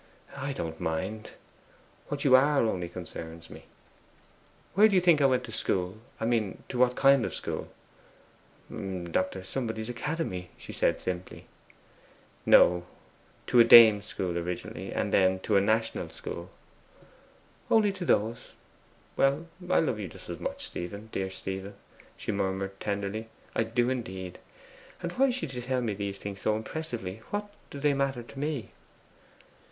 'I don't mind. What you are only concerns me.' 'Where do you think I went to school I mean, to what kind of school?' 'Dr. Somebody's academy,' she said simply. 'No. To a dame school originally, then to a national school.' 'Only to those! Well, I love you just as much, Stephen, dear Stephen,' she murmured tenderly, 'I do indeed. And why should you tell me these things so impressively? What do they matter to me?